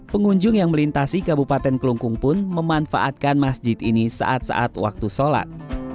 pengunjung yang melintasi kabupaten kelungkung pun memanfaatkan masjid ini saat saat waktu sholat